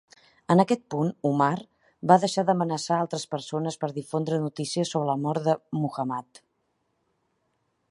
En aquest punt, Umar va deixar d"amenaçar a altres persones per difondre noticies sobre la mort de Muhammad.